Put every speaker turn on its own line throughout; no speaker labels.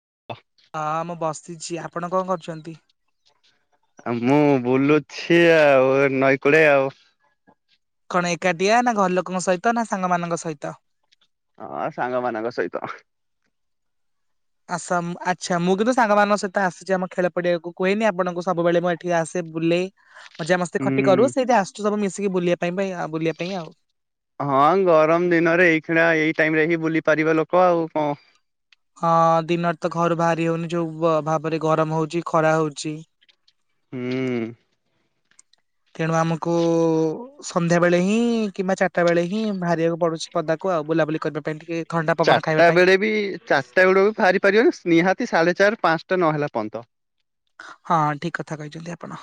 [inaudible]
ହଁ ମୁଁ ବସିଛି ଆପଣ କଣ କରୁଛନ୍ତି?
ମୁଁ ବୁଲୁଛି ଆଉ ନଈ କୂଳେ ଆଉ।
କଣ ଏକାଠିଆ ନା ଘର ଲୋକଙ୍କ ସହିତ ନା ସାଙ୍ଗ ମାନଙ୍କ ସହିତ।
ହଁ ସାଙ୍ଗ ମାନଙ୍କ ସହିତ।
ଆସା ଆଚ୍ଛା ମୁଁ କିନ୍ତୁ ସାଙ୍ଗମାନଙ୍କ ସହିତ ଆସିଛି ଆମ ଖେଳ ପଡିଆକୁ କୁହେନି ଆପଣଙ୍କୁ ସବୁବେଳେ ମୁଁ ଏଠିକି ଆସେ ବୁଲେ। ମଜା ମସ୍ତେ ଖଟି କରୁ
ହୁଁ।
ସେଇ ଆ ମିଶ ବୁଲିବା ପାଇଁ ଆଉ ବୁଲିବା ପାଇଁ ଆଉ।
ହଁ ଗରମ ଦିନରେ ଏଇଣା ଏଇ ଟାଇମ ରେ ହିଁ ବୁଲି ପାରିବ ଲୋକ ଆଉ କଣ।
ହଁ ଦିନରେ ତ ଘରୁ ବାହାରି ହଉନି ଯୋଉ ଭାବରେ ଗରମ ହଉଛି ଖରା ହଉଛି।
ହୁଁ।
ତେଣୁ ଆମକୁ ସନ୍ଧ୍ୟା ବେଳେ ହିଁ କିମ୍ବା ଚାରିଟା ବେଳେ ହିଁ ବାହାରିବାକୁ ପଡୁଛି ପଦାକୁ ଆଉ ବୁଲାବୁଲି କରିବା ପାଇଁ ଟିକେ ଥଣ୍ଡା ପବନ ଖାଇବା
ଚାରିଟା
ପାଇଁ।
ବେଳେ ବି ଚାରିଟା ବେଳ ବି ବାହାରି ପାରିବନ ସ୍ ନିହାତି ତି ସାଢେ ଚାରି ପାଞ୍ଚଟା ନହେଲା ପର୍ଯ୍ୟନ୍ତ।
ହଁ ଠିକ କଥା କହିଛନ୍ତି ଆପଣ।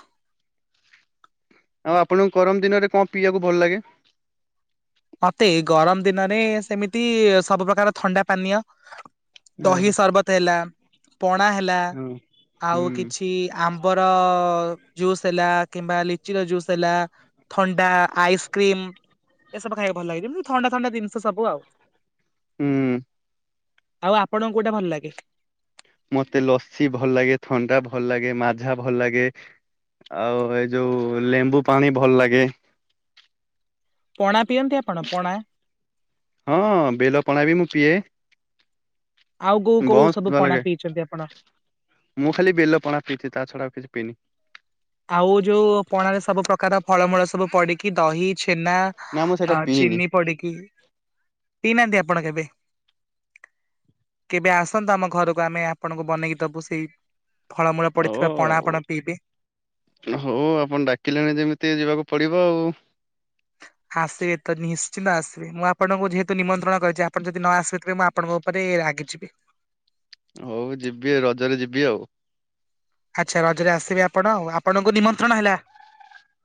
ଆଉ ଆପଣଙ୍କୁ ଗରମ ଦିନରେ କଣ ପିଇବାକୁ ଭଲ ଲାଗେ।
ମତେ ଗରମ ଦିନରେ ସେମିତି ସବୁ ପ୍ରକାର ଥଣ୍ଡା ପାନୀୟ। ଦହି ଶରବତ ହେଲା। ପଣା ହେଲା
ହୁଁ
ଆଉ
ହୁଁ।
କିଛି ଆମ୍ବର ଜୁସ୍ ହେଲା। କିମ୍ବା ଲିଚି ର ଜୁସ୍ ହେଲା ଥଣ୍ଡା ଆଇସ୍କ୍ରିମ। ଏସବୁ ଖାଇବାକୁ ଭଲ ଲାଗେଛି ଯେମିତି ଥଣ୍ଡା ଥଣ୍ଡା ଜିନିଷ ସବୁ ଆଉ।
ହୁଁ।
ଆଉ ଆପଣଙ୍କୁ କୋଉଟା ଭଲ ଲାଗେ?
ମତେ ଲସି ଭଲ ଲାଗେ ଥଣ୍ଡା ଭଲ ଲାଗେ ମାଝା ଭଲ ଲାଗେ ଆଉ ଏଇ ଯୋଉ ଲେମ୍ବୁ ପାଣି ଭଲ ଲାଗେ।
ପଣା ପିଅନ୍ତି ଆପଣ ପଣା
ହଁ ବେଲ ପଣା ବି ମୁଁ ପିଏ
ଆଉ କୋଉ କୋଉ
ବସ
ସବୁ
ଭଲ
ପଣା
ଲାଗେ
ପିଇଛନ୍ତି ଆପଣ
ମୁଁ ଖାଲି ବେଲ ପଣା ପିଇଛି ତା ଛଡା ଆଉ କିଛି ପନି
ଆଉ ଯୋଉ ପଣ ରେ ସବୁ ପ୍ରକାର ଫଳମୂଳ ସବୁ ପଡିକି ଦହି ଛେନା
ନା ମୁଁ ସେଇଟା ପିଇନି।
ଚିିନି ପିଡିକି ପଡ଼ିନାହାନ୍ତି ଆ ଆପଣ କେବେ କେବେ ଆସନ୍ତୁ ଆମ ଘରକୁ ଆମେ ଆପଣଙ୍କୁ ବନେଇକି ଦବୁ ସେଇ ଫଳମୂଳ
ଓ
ପଡିଥିବା ପଣା ଆପଣ ପିଇବେ
ହଉ ଆପଣ ଡାକିଲେଣି ଯେମିତି ଯିବାକୁ ପଡିବ ଆଉ
ଆସିବେ ତ ନିଶ୍ଚିନ୍ତ ଆସିବେ ମୁଁ ଆପଣଙ୍କୁ ଯେହେତୁ ନିମନ୍ତ୍ରଣ କରିଛି ଆପଣ ଯଦି ନ ଆସିବେ ତେବେ ମୁଁ ଆପଣଙ୍କ ଉପରେ ରାଗିଯିବି।
ହଉ ଯିବି ରଜରେ ଯିବି ଆଉ।
ଆଚ୍ଛା ରଜରେ ଆସିବେ ଆପଣ ଆ ଆପଣଙ୍କୁ ନିମନ୍ତ୍ରଣ ହେଲା।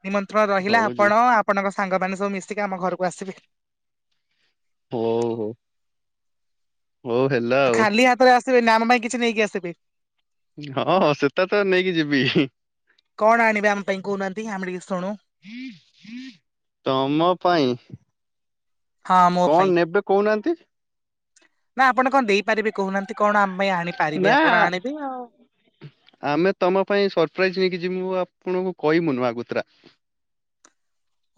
ନିମନ୍ତ୍ରଣ ରହିଲା
ହଉ ଯି
ଆପଣ ଆପଣଙ୍କ ସାଙ୍ଗମାନେ ସବୁ ମିଶିକି ଆମ ଘରକୁ ଆସିବେ।
ହଉ ହଉ। ହଉ ହେଲା ଆଉ।
ଆସିବ ଆମ ପାଇଁ କିଛି ନେଇକି ଆସିବି
ହଁ ହଁ ସେଟ ତ ନେଇକି ଯିବି।
କଣ ଆଣିବେ ଆମ ପାଇଁ କହୁନାହାନ୍ତି ଆମେ ଟିକେ ଶୁଣୁ।
ତମ ପାଇଁ
ହଁ ମୋ
କଣ
ପାଇଁ
ନେବେ କହୁନାହାନ୍ତି।
ନା ଆପଣ କଣ ଦେଇପାରିବେ କହୁନାହାନ୍ତି। କଣ ଆମ ପାଇଁ ଆଣିପାରିବେ
ନା
ଆପଣ ଆଣିବେ ଆଉ
କିଛି ମୁଁ ଆପଣଙ୍କୁ କହିବୁନୁ ଆଗତୁରା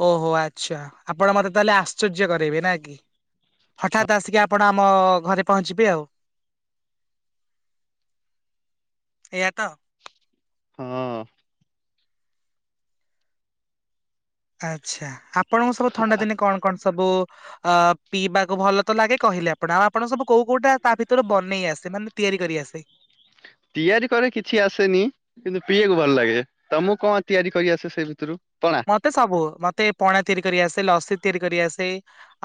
ଓହୋ ଆଚ୍ଛା ଆପଣ ମତେ ତାହେଲେ ଆଶ୍ଚର୍ଯ୍ୟ କରାଇବେ ନା କି ହଠାତ୍ ଆସିକି ଆପଣ ଆମ ଘରେ ପହଞ୍ଚିବେ ଆଉ ଏଆ ତ
ହଁ।
ଆଚ୍ଛା ଆ ଆପଣଙ୍କ ସବୁ ଥଣ୍ଡା ଦିନେ କଣ କଣ ସବୁ ଅ ପିଇବାକୁ ଭଲ ତ ଲାଗେ କହିଲେ ଆପଣ ଆଉ ଆପଣ ସବୁ କୋଉ କୋଉଟା ତା ଭିତରେ ବନେଇ ଆସେ ମାନେ ତିଆରି କରି ଆସେ
ତିଆରି କରେ କିଛି ଆସେନି କିନ୍ତୁ ପିଇକୁ ଭଲ ଲାଗେ ତମକୁ କଣ ତିଆରି କରିଆସେ ସେ ଭିତରୁ ପଣା?
ମତେ ସବୁ ମତେ ପଣା ତିଆରି କରି ଆସେ ଲସି ତିଆରି କରି ଆସେ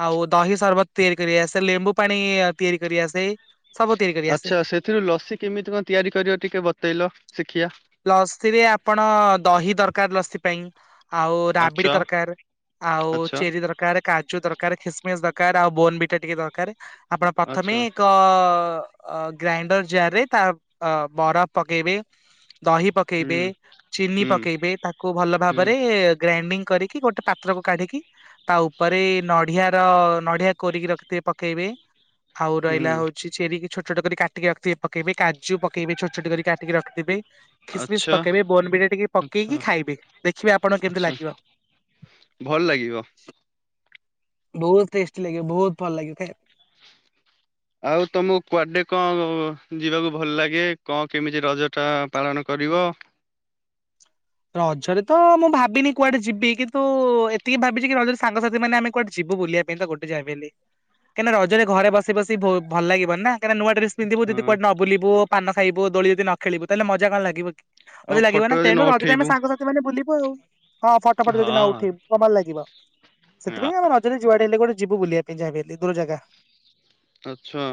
ଆଉ ଦହି ସରବତ ତିଆରି କରି ଆସେ ଲେମ୍ବୁ ପାଣି ତିଆରି କରି ଆସେ ସବୁ ତିଆରି କରି ଆସେ।
ଆଚ୍ଛା ସେଥିରୁ ଲସି କେମିତି କଣ ତିଆରି କରିବ ଟିକେ ବତେଇଲ ଶିଖିବା
ଲସି ରେ ଆପଣ ଦହି ଦରକାର ଲସି ପାଇଁ ଆଉ ରାବିଡି
ଆଚ୍ଛା
ଦରକାର ଆଉ
ଆଚ୍ଛା
ଚେରି ଦରକାର କାଜୁ ଦରକାର ଖସମିସ ଦରକାର ଦରକାର ଆଉ ବୋନ ବି ଟା ଟିକେ ଦରକାର ଆପଣ ପ୍ରଥମେ
ଆଚ୍ଛା
ଏକ ଅ ଗ୍ରାଇଣ୍ଡର ଜାରରେ ତା ଅ ବରଫ ପକେଇବେ। ଦହି
ହୁଁ
ପକେଇବେ, ଚିନି
ହୁଁ
ପକେଇବେ, ତାକୁ ଭଲ
ହୁଁ
ଭାବରେ ଗ୍ରାଇଡିଙ୍ଗ କରିକି ଗୋଟେ ପାତ୍ର କୁ କାଢିକି ତା ଉପରେ ନଢ଼ିଆ ର ନଢିଆ କୋରିକି ରଖିଥିବେ ପକେଇବେ। ହାଉ ରହିଲା
ହୁଁ
ହଉଛି [unintelligible] ଛୋଟ ଛୋଟ କରି କାଟିକି ରଖିଥିବେ ପକେଇବେ। କାଜୁ ପକେଇବେ ଛୋଟ ଛୋଟ କରି କାଟିକି ରଖିଥିବେ। ଖିସମୀସ୍
ଆଚ୍ଛା
ପକେଇବେ, ବୋନବିଟା ଟିକେ
ଆଚ୍ଛା
ପକେଇକି ଖାଇବେ ଦେଖିବେ ଆପଣ କେମିତି
ଆଚ୍ଛା
ଲାଗିବ।
ଭଲ ଲାଗିବ।
ବହୁତ ଟେଷ୍ଟି ଲାଗିବ ବହୁତ ଭଲ ଲାଗିଥାଏ
ଆଉ ତମକୁ କୁଆଡେ କଣ ଯିବାକୁ ଭଲ ଲାଗେ, କଣ କେମିତି ରଜ ଟା ପାଳନ କରିବ?
ରଜରେ ତ ମୁଁ ଭାବିନି କୁଆଡେ ଯିବି କିନ୍ତୁ ଏତିକି ଭାବିଛି କି ରଜରେ ସାଙ୍ଗସାଥି ମାନେ ଆମେ କୁଆଡେ ଯିବୁ ବୁଲିବା ପାଇଁ ତ ଗୋଟେ ଯାହା ବି ହେଲେ। କାଇଁନା ରଜରେ ଘରେ ବସି ବସି ବୋ ଭଲ ଲାଗିବନି ନା। କାଇଁନା ନୂଆଡ୍ରେସ ପିନ୍ଧିବୁ ଯଦି
ହଁ
କୁଆଡେ ନ ବୁଲିବୁ [unintelligible] ଖାଇବୁ, ଦୋଳି ଯଦି ନ ଖେଳିବୁ ତାହେଲେ ମଜା କଣ ଲାଗିବ କି।
ଆମ ଫଟୋ ଯଦି ନ ପ [inaudible]
ରେ ଆମେ ସାଙ୍ଗସାଥି ମାନେ ବୁଲି ପଳଉ। ହଁ ଫଟ ଫଟ
ହଁ।
ଯଦି ନ ଉଠେଇବୁ [inaudible] ଭଲ ଲାଗିବ
ଆ-
ସେଥିପାଇଁ ଆମେ ରଜରେ ଯୁଆଡେ ହେଲେ ଗୋଟେ ଯିବୁ ବୁଲିବା ପାଇଁ ଯାହାବି ହେଲେ ଦୂର ଜାଗା।
ଆଚ୍ଛା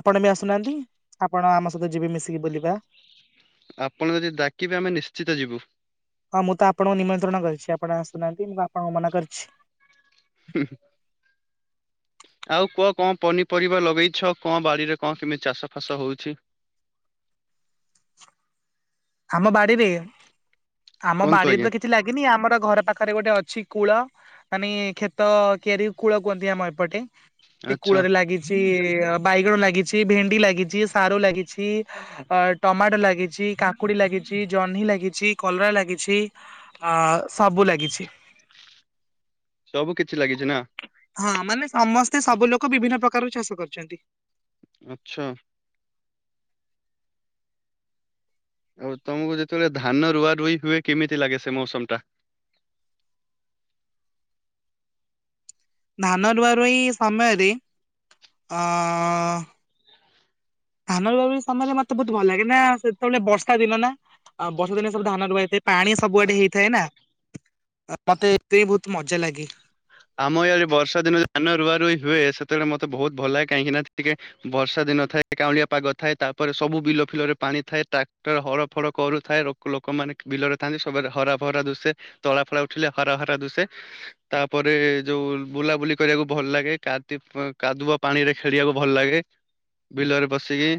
ଆପଣ ମି ଆସୁନାହାନ୍ତି, ଆପଣ ଆମ ସହିତ ଯିବେ ମିଶିକି ବୁଲିବା।
ଆପଣ ଯଦି ଡାକିବେ ଆମେ ନିଶ୍ଚିତ ଯିବୁ।
ହଁ ମୁଁ ତ ଆପଣଙ୍କୁ ନିମନ୍ତ୍ରଣ କରିଛି, ଆପଣ ଆସୁନାହାନ୍ତି ମୁଁ ଆପଣଙ୍କ ମନା କରିଛି।
[unintelligible] ଆଉ କୁଅ କଣ ପନିପରିବା ଲଗେଇଛ, କଣ ବାଡିରେ କଣ କେମିତି ଚାଷ ଫାସ ହଉଛି।
ହାମ ବାଡିରେ- ଆମ
କୁହନ୍ତୁ
ବାଡି [unintelligible]
ଆଜ୍ଞା
ତ କିଛି ଲାଗିନି ଆମର ଘର ପାଖରେ ଗୋଟେ ଅଛି କୂଳ। ଆନେ କ୍ଷେତ କିଆରି କୁ କୂଳ କୁହନ୍ତି ଆମ ଏପଟେ। [unintelligible]
ଆଚ୍ଛା
କୂଳରେ ଲାଗିଛି ବାଇଗଣ ଲାଗିଛି, ଭେଣ୍ଡିଲାଗିଛି, ସାରୁ ଲାଗିଛି, ଅ ଟମାଟ ଲାଗିଛି କା କୁଡି ଲାଗିଛି, ଜହ୍ନି ଲାଗିଛି, କଲରା ଲାଗିଛି ଆ ସବୁ ଲାଗିଛି।
ସବୁ କିଛି ଲାଗିଚି ନା।
ହଁ ମାନେ ସମସ୍ତେ ସବୁ ଲୋକ ବିଭିନ୍ନ ପ୍ରକାର ଚାଷ କରିଛନ୍ତି।
ଆଚ୍ଛା ଆଉ ତମକୁ ଯେତେବେଳେ ଧାନ ରୁଆରୁଇ ହୁଏ, କେମିତି ଲାଗେ ସେ ମୌସମଟା?
ଧାନ ରୁଆରୁଈ ସମୟରେ ଆ ଧାନ ରୁଆରୁଇ ସମୟରେ ମତେ ବହୁତ ଭଲ ଲାଗେ ନା, ସେତେବେଳେ ବର୍ଷା ଦିନ ନା ଆ ବର୍ଷା ଦିନ ସବୁ ଧାନ ରୁଆ ହେଇଥାଏ। ପାଣି ସବୁଆଡେ ହେଇଥାଏ ନା, ମତେ ଏଥେଇଁ ବହୁତ ମଜା ଲାଗେ।
ଆମ ଇଆଡେ ବର୍ଷା ଦିନ ଧାନ ରୁଆରୁଈ ହୁଏ, ସେତେବେଳେ ମତେ ବହୁତ ଭଲ ଲାଗେ କାହିଁକି ନା ଟିକେ ବର୍ଷା ଦିନ ଥାଏ, କାଉଁଳିଆ ପାଗ ଥାଏ। ତାପରେ ସବୁ ବିଲ ଫିଲରେ ପାଣି ଥାଏ, ଟ୍ରାକ୍ଟର ହର ଫଡ କରୁଥାଏ, ଲୋକ ଲୋକମାନେ ବିଲରେ ଥାନ୍ତି, ସବୁଆଦେ ହରା ଫରା ଦୁସେ, ତଳା ଫଳା ଉଠିଲେ ହରା ହରା ଦୁସେ ତାପ ପରେ ଯୋଉ ବୁଲାବୁଲି କରିବାକୁ ଭଲ ଲାଗେ, କାତି କାଦୁଅ ପାଣି ରେ ଖେଳିବାକୁ ଭଲ ଲାଗେ ବିଲରେ ବସିକି।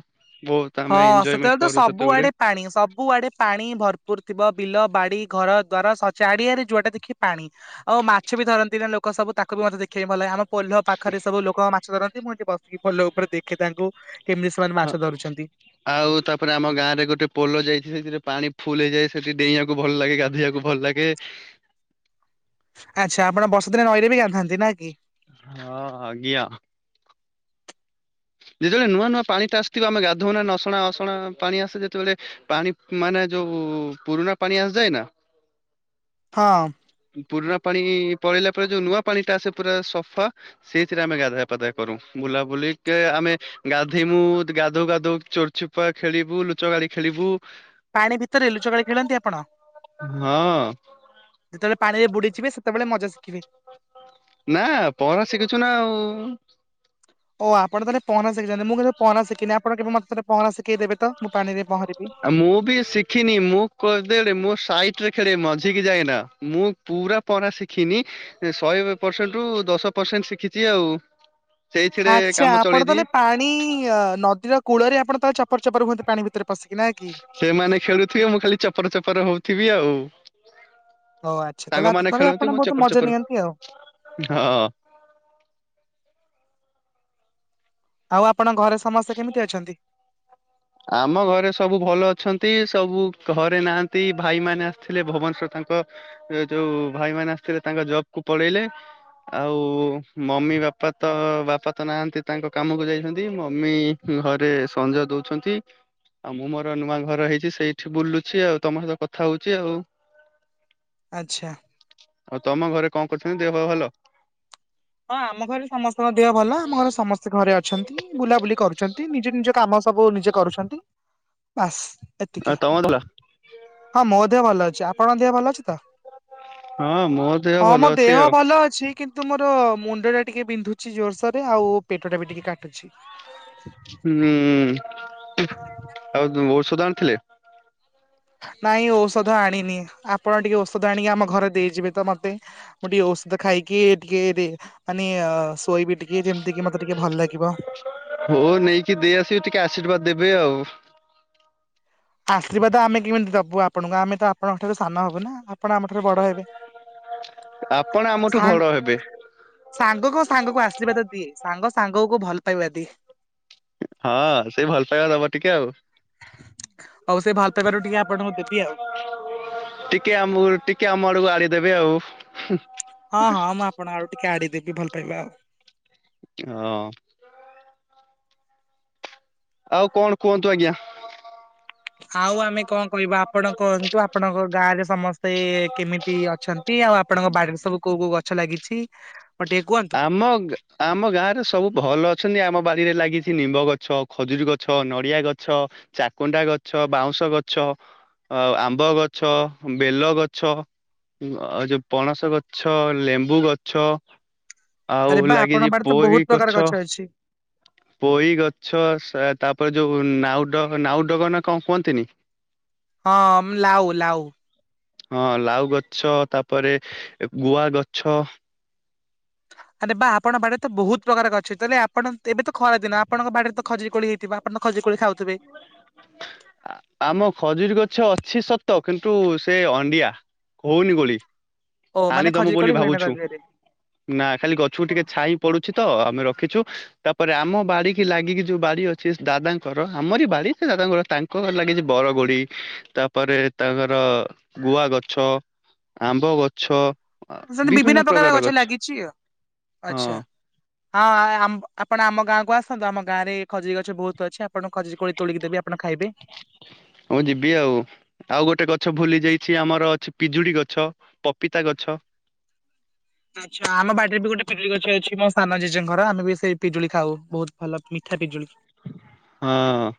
ବହୁତ
ହଁ
ଆମେ ଏଞ୍ଜୟମେଣ୍ଟ
ସେତେବେଳେ ତ
କରୁ ସେତେବେଳେ
ସବୁଆଡେ ପାଣି, ସବୁଆଡେ ପାଣି ଭରପୁର ଥିବବ। ବିଲବାଡ଼ି, ଘରଦ୍ୱାର ସ ଚାଡ଼ିଆଡେ ଯୁଆଡେ ଦେଖି ପାଣି। ଓ ମାଛ ବି ଧରନ୍ତି ନା ଲୋକ। ଲୋକ ସବୁ ପାଖକୁ ମଧ୍ୟ ମତେ ଦେଖିବାକୁ ଭଲ ଲାଗେ ଆମ ପୋଲ ପାଖରେ ସବୁ ଲୋକ ମାଛ ଧରନ୍ତି ମୁଁ ଏଠି ବସିକି ପୋଲ ଉପରେ ଦେଖେ ତାଙ୍କୁ କେମିତି ସେମାନେ ମାଛ ଧରୁଛନ୍ତି
ଆଉ ତାପରେ ଆମ ଗାଁ ରେ ଗୋଟେ ପୋଲ ଯାଇଛି ସେଥିରେ ପାଣି ଫୁଲ ହେଇଯାଏ ସେଠି ଡେଇଁବାକୁ ଭଲ ଲାଗେ ଗାଧୋଇବାକୁ ଭଲ ଲାଗେ
ଆଚ୍ଛା ଆପଣ ବର୍ଷଦିନ ନଈରେ ବି ଗାନନ୍ତି ନା କି।
ହଁ ଆଜ୍ଞା ଯେତେବେଳେ ନୂଆ ନୂଆ ପାଣି ଟା ଆସିଥଥିବା ଆମେ ଗାଧଉ ନା ନସଣା ଅସଣା ପାଣି ଆସେ ଯେତେବେଳେ ପାଣି ମାନେ ଯୋଉ ପୁରୁଣା ପାଣି ଆସିଯାଏ ନା।
ହଁ।
ପୁରୁଣା ପାଣି ପଳେଇିଲା ପରେ ଯୋଉ ନୂଆ ପାଣି ଟା ଆସେ ପୁରା ସଫା ସେଇଥିରେ ଆମେ ଗାଧଆ ପାଧଆ କରୁ ବୁଲାବୁଲିିକ ଆମେ ଗାଧେଇମୁ ଗାଧଉ ଗାଧ ଚୋରଚୁପା ଖେଳିବୁ ଲୁଚ ଗାଳି ଖେଳିବୁ।
ପାଣି ଭିତରେ ଲୁଚକାଳି ଖେଳନ୍ତି ଆପଣ।
ହଁ।
ଯେତେବେଳେ ପାଣିରେ ବୁଡିଯିବ ସେ। ସେତେବେଳେ ମଜା ଶଖିବେ
ନା ପହଁରା ଶିଖିଛୁ ନା ଆଉ
ଓ ଆପଣ ତାହେନେ ଶିଖିଛନ୍ତି ମୁଁ କିନ୍ତୁ ପହଁରା ଶିଖିନି ଆପଣ କେବେ ମତେ ପହଁରା ଶିଖେଇ ଦେବେ
ମୁଁ ବି ଶିଖିନି ମୁଁ କରିଦେଲେ ମୋ ସାଇ। ଠ ରେ ଖେଳେ ମଝିକି ଯାଏନା ମୁଁ ପୁରା ପହଁରା ଶିଖିନି ଶହେ ପରସେଣ୍ଟ ରୁ ଦଶ ପରସେଣ୍ଟ ଶିଖିଛି ଆଉ ସେଇଥିରେ
ଆଚ୍ଛା
କାମ
ଆପଣ
ଚଳେଇଦିଏ
ତାହେଲେ ପାଣି ନଦୀର କୂଳରେ ଆପ୍ ଆପଣ ତାହେଲେ ଚପର ଚପର ହୁଅନ୍ତି ପାଣି ଭିତରେ ପଶିକି ନା କି?
ସେମାନେ ଖେଳୁଥିବେ ମୁଁ ଖାଲି ଚପର ଚପର ହଉ ଥିବି ଆଉ
ହ ଆଚ୍ଛା ତାହେଲେ
ସାଙ୍ଗମାନେ
ତଥାପି
ଖେଳନ୍ତି
ଆପଣ
ମୁଁ
ବହୁତ
ଚପର
ମଜା
ଚପର
ନିଅନ୍ତି ଆଉ
ହଁ।
ଆଉ ଆପ ଆପଣଙ୍କ ଘରେ ସମସ୍ତେ କେମିତି ଅଛନ୍ତି
ଆମ ଘରେ ସବୁ ଭଲ ଅଛନ୍ତି ସବୁ ଘରେ ନାହାନ୍ତି ଭାଇ ମାନ ଆସିଥିଲେ ଭବନେଶ୍ଵର ତାଙ୍କ ଯୋଉ ଭାଇ ମାନ ଆସିଥିଲେ ତାଙ୍କ ଜବ୍ କୁ ପଳେଇଲେ ଆଉ ମମି ବାପା ତ ବାପା ତ ନାହାନ୍ତି ତାଙ୍କ କାମକୁ ଯାଇଛନ୍ତି ମମି ଘରେ ସଂଞ ଦଉଛନ୍ ନ୍ତି ଆଉ ମୁଁ ମୋର ନୂଆ ଘର ହେଇଛି ସେଇଠି ବୁଲୁଛି ଆଉ ତମ ସହିତ କଥା ହଉଛି ଆଉ।
ଆଚ୍ଛା।
ଆଉ ତମ ଘରେ କଣ କରୁଛନ୍ତି ଦେହ ପା ଭଲ।
ହଁ ଆମ ଘରେ ସମସ୍ତଙ୍କ ଦେହ ଭଲ ଆମ ଘରେ ସମସ୍ତେ ଘରେ ଅଛନ୍ତି ବୁଲାବୁଲି କରୁଛନ୍ତି ନିଜ ନିଜ କାମ ସବୁ । ନିଜେ କରୁଛନ୍ତି । ବାସ୍ । ଏତିକି
ଆଉ ତମ ଭଲ
ହଁ ମୋ ଦେହ ଭଲ ଅଛି ଆପଣ ଦେହ ଭଲ ଅଛି ।
ହଁ ମୋ ଦେହ
ହଁ
ଭଲ
ମୋ
ଅଛି
ଦେହ
ଆଉ।
ଭଲ ଅଛି । କିନ୍ତୁ ମତେ କିନ୍ତୁ ମୁଣ୍ଡ ଟା ଟିକେ ବିନ୍ଧୁଛି ଜୋରସୋରେ ଆଉ ପେଟ ଟା ବି ଟିକେ କାଟ
ହୁଁ । ଆଉ ଦୁ ଔଷଧ ଆଣିଥିଲେ ।
ନାଇଁ ଔଷଧ ଆଣିନି ଆପଣ ଟିକେ ଔଷଧ ଆଣିକି ଆମ ଘରେ ଦେଇଯିବେ ତ ମତେ ମୁଁ ଟିକେ ଔଷଧ ଖାଇକି ଟିକେ ରି ମାନେ ଅ
ହଉ ନେଇକି ଦେଇ ଆସିବି ଟିକେ ଆଶୀର୍ବାଦ ଦେବେ ଆଉ।
ଆଶୀର୍ବାଦ ଆମେ କେମିତି ଦବୁ ଆପଣଙ୍କୁ ଆମେ ତ ଆପଣଙ୍କ ଠାରୁ ସାନ ହବୁ ନା ଆପଣ ଆମ ଠାରୁ ବଡ ହେବେ।
ଆପଣ ଆମଠୁ
ସାଙ୍ଗ
ବଡ ହେବେ ।
ଅଶ୍ରିବାଦ ଦିଏ ସାଙ୍ଗ ସାଙ୍ଗ କୁ ଭଲ ପାଇବା ଦିଏ।
ହଁ ସେଇ ଭଲ ପାଇବା ଦବ ଟିକେ ଆଉ।
ହଉ ସେ ଭଲପାଇବାରୁ ଟିକେ ଆପଣଙ୍କୁ ଦେବି ଆଉ।
ଟିକେ ଆମକୁ ଟିକେ ଆମ ଆଡକୁ ଆଡେଇ ଦେବେ ଆଉ।
ହଁ ହଁ ମୁଁ ଆପଣଙ୍କ ଆଡ଼କୁ ଟିକେ ଆଡ଼େଇ ଦେବି ଭଲ ପାଇବା ଆଉ।
ହଁ। ଆଉ କଣ କୁହନ୍ତୁ ଆଜ୍ଞା।
ଆଉ ଆମେ କଣ କହିବା ଆପଣ କହନ୍ତୁ ଆପଣଙ୍କ ଗାଁରେ ସ ସମସ୍ତ ସ୍ତେ କେମିତି ଅଛନ୍ତି ଆଉ ଆପଣଙ୍କ ବା ସବୁ କୋଉ କୋଉ ଗଛ ଲାଗିଛି ମତେ ଟିକେ କୁହନ୍ତୁ
ଆମ ଆମ ଗାଁରେ ସବୁ ଭଲ ଅଛନ୍ତି ଆମ ବାଡିରେ ଲାଗି ଛି ନିମ୍ବ ଗଛ, ଖଜୁରୀ ଗଛ, ନଡିଆ ଗଛ, ଚାକୁଣ୍ଡା ଗଛ, ବାଉଁଶ ଗଛ, ଆ ଆମ୍ବ ଗଛ, ବେଲ ଗଛ ଯୋଉ ପଣସ ଗଛ ଲେମ୍ବୁ ଗଛ ଆଉ
ଆରେ ବା ଆପଣଙ୍କ
ଲାଗିଛି
ବାଡିରେ ତ ବହୁତ
ପୋଇ
ପ୍ରକାର
ଗଛ
ଅଛି।
ପୋଇ ଗଛ ତାପରେ ଯୋଉ ନାଉଡ ନାଉଡଙ୍କ ନା କଣ କୁହନ୍ତିନି
ହଁ ମ ଲାଉ ଲାଉ
ହଁ ଲାଉ ଗଛ ତାପରେ ଗୁଆ ଗଛ
ଆରେ ବା ଆପଣଙ୍କ ବାଡିରେ ତ ବହୁତ ପ୍ରକାର ଗଛ ଅଛି ତାହେଲେ ଆପଣ ଏବେ ତ ଖରା ଦିନ ଆପଣଙ୍କ ବାଡିରେ ତ ଖଜିୁରୀ କୋଳି ହେଇଥିବ ଆପଣ ଖଜିୁର କୋଳି ଖାଉଥିବେ
ଆମ ଖଜୁରୀ ଗଛ ଅଛି ସତ କିନ୍ତୁ ସେ ଅଣ୍ଡିଆ ହଉନି କୋଳି।
ଓ
ହାଣି
ମାନେ
ଦବୁ
ଖଜିର
ବୋଲି
କୋଳି ହୁଏନା ତା
ଭାବୁଛୁ
ଦେହରେ
ନା ଖାଲି ଗଛକୁ ଟିକେ ଛାଇ ପଡୁଛି ତ ଆମେ ରଖିଛୁ ତାପରେ ଆମ ବାଡି କି ଲାଗିକି ଯୋଉ ବାଡି ଅଛି ଦାଦାଙ୍କର ଆମରି ବାଡ଼ି ସେ ଦାଦାଙ୍କର ତାଙ୍କ ଘର ଲାଗିଛି ବରକୋଳି ତାପରେ ତାଙ୍କର ଗୁଆ ଗଛ, ଆମ୍ବ ଗଛ
ସେମିତି ବିଭିନ୍ନ ପ୍ରକାର ଗଛ ଲାଗିଛି ଆଉ ଆଚ୍ଛା।
ହଁ
ହଁ ଆପଣ ଆମ ଗାଁକୁ ଆସନ୍ତୁ ଆମ ଗାଁରେ ଖଜୁରୀ ଗଛ ବହୁତ ଅଛି ଆପଣ ଖଜୁରୀ କୋଳି ତୋଳିକି ଦେବି ଆପଣ ଖାଇବେ।
ହଁ ଯିବି ଆଉ ଆଉ ଗୋଟେ ଗଛ ଭୁଲି ଯାଇଛି ସେ ଆମର ଅଛି ପିଜୁଡି ଗଛ, ପପିତା ଗଛ
ଆଚ୍ଛା ଆମ ବାଡିରେ ବି ଗୋଟେ ପିଜୁଳି ଗଛ ଅଛି ମୋ ସାନ ଜେଜେଙ୍କର ଆମେ ବି ସେଇ ପିଜୁଳି ଖାଉ ବହୁତ ଭଲ ମିଠା ପିଜୁଳି।
ହଁ।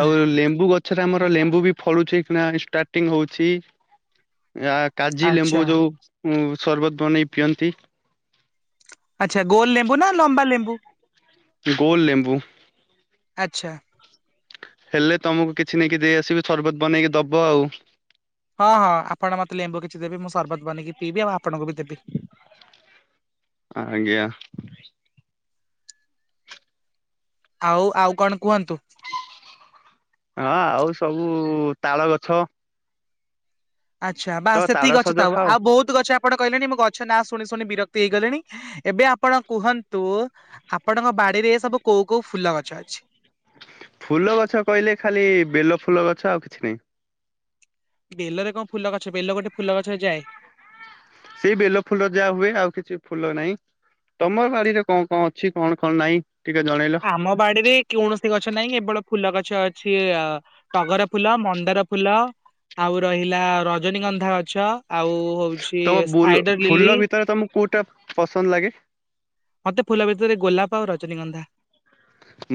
ଆଉ ଲେମ୍ବୁ ଗଛରେ ଆମର ଲେମ୍ବୁ ବି ଫଳୁଛି କି ନା ଷ୍ଟାର୍ଟିଙ୍ଗ ହଉଛି ଆୟ କାଜି
ଆଚ୍ଛା
ଲେମ୍ବୁ ଯୋଉ ସରବତ ବନେଇ ପିଅନ୍ତି
ଆଚ୍ଛା ଗୋଲ ଲେମ୍ବୁ ନା ଲମ୍ବା ଲେମ୍ବୁ
ଗୋଲ ଲେମ୍ବୁ
ଆଚ୍ଛା।
ହେଲେ ତମକୁ କିଛି ନେଇକି ଦେଇ ଆସିବି ସରବତ ବନେଇକି ଦବ ଆଉ
ହଁ ହଁ ଆପଣ ମତେ ଲେମ୍ବୁ କିଛି ଦେବେ ମୁଁ ସର୍ବତ ବନେଇ କି ପିଇବି ଆପଣଙ୍କୁ ବି ଦେବି
ଆଜ୍ଞା।
ଆଉ ଆଉ କଣ କୁହନ୍ତୁ?
ହଁ ଆଉ ସବୁ ତାଳ ଗଛ
ଆଚ୍ଛା ବା
ତ
ସେତିକି
ତାଳ
ଗଛ
ସଜ
ଥାଉ
ଖାଅ।
ଆଉ ବହୁତ ଗଛ ଆପଣ କହିଲେଣି ମୋ ଗଛ ନା ଶୁଣି ଶୁଣି ବିରକ୍ତି ହେଇଗଲେଣି ଏବେ ଆପଣ କୁହନ୍ତୁ ଆପଣଙ୍କ ବାଡିରେ ସବୁ କୋଉ କୋଉ ଫୁଲ ଗଛ ଅଛି।
ଫୁଲ ଗଛ କହିଲେ ଖାଲି ବେଲ ଫୁଲ ଗଛ ଆଉ କିଛି ନାହିଁ।
ବେଲରେ କଣ ଫୁଲ ଗଛ ବେଲ ଗୋଟେ ଫୁଲ ଗଛରେ ଯାଏ
ସେଇ ବେଲ ଫୁଲ ଯାହା ହୁଏ ଆଉ କିଛି ଫୁଲ ନାହିଁ ତମର ବାଡିରେ କଣ କଣ ଅଛି କଣ କଣ ନାହିଁ। ଟିକେ ଜଣେଇଲ?
ଆମ ବାଡିରେ କୌଣସି ଗଛ ନାହିଁ ଏବଳ ଫୁଲ ଗଛ ଅଛି ଟଗର ଫୁଲ ମନ୍ଦାର ଫୁଲ ଆଉ ରହିଲା ରଜନୀଗନ୍ଧା ଗଛ ଆଉ ହଉଛି
ତମ
ସ୍ପାଇଡର ଲିଲି
ଫୁଲ ଭିତରେ ତମକୁ କୋଉଟା ପସନ୍ଦ ଲାଗେ
ମୋତେ ଫୁଲ ଭିତରେ ଗୋଲାପ ଆଉ ରଜନୀଗନ୍ଧା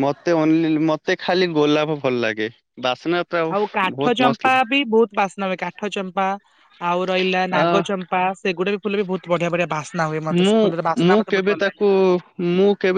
ମତେ ଖାଲି ମତେ ଖାଲି ଗୋଲାପ ଭଲ ଲାଗେ ବାସ୍ନା ତା
ଆଉ କାଠ
ବହୁତ ମସ୍ତ
ଚମ୍ପା
ଲାଗେ।
ବି ବହୁତ ବାସ୍ନା ହୁଏ କାଠ ଚମ୍ପା ଆଉ ରହିଲା
ଆ
ନାଗଚମ୍ପା ସେଗୁଡା ବି ଫୁଲ ବି ବହୁତ ବଢିଆ ବଢିଆ ବାସ୍ନା ହୁଏ ମତେ ସେ
ମୁଁ
ଫୁଲର
ମୁଁ
ବାସ୍ନା ମତେ ବହୁତ
କେବେ
ଭଲ
ତାକୁ
ଲାଗେ।
ମୁଁ କେବେ